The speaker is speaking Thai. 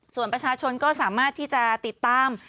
ส่วนประชาชนก็สามารถที่จะติดตาม